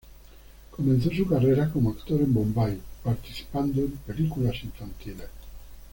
Comenzó su carrera como actor en Bombay participando en películas infantiles.